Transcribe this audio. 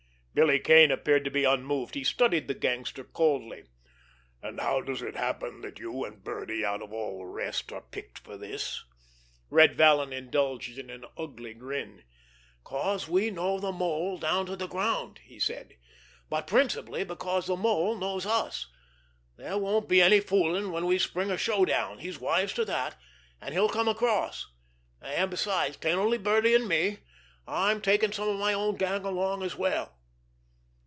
Billy Kane appeared to be unmoved. He studied the gangster coldly. "And how does it happen that you and Birdie, out of all the rest, are picked for this?" Red Vallon indulged in an ugly grin. "'Cause we know the Mole down to the ground," he said; "but principally because the Mole knows us! There won't be any fooling when we spring a show down, he's wise to that, and he'll come across. And, besides, 'tain't only Birdie and me, I'm taking some of my own gang along as well."